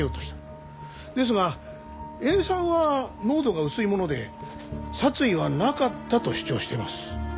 ですが塩酸は濃度が薄いもので殺意はなかったと主張しています。